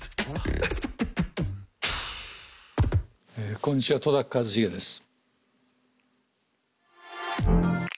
こんにちは戸一成です。